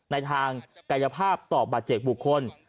ในทางกายภาพต่อบาดเจ็บบุคคล